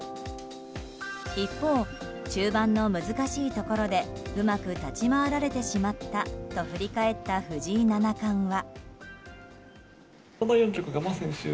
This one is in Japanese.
一方、中盤の難しいところでうまく立ち回られてしまったと振り返った藤井七冠は。